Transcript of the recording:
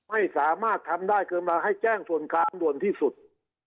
คราวนี้เจ้าหน้าที่ป่าไม้รับรองแนวเนี่ยจะต้องเป็นหนังสือจากอธิบดี